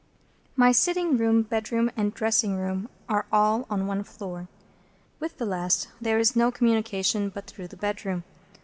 My sitting room, bedroom, and dressing room, are all on one floor. With the last there is no communication but through the bedroom.